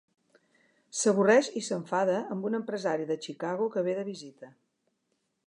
S'avorreix i s'enfada amb un empresari de Chicago que ve de visita.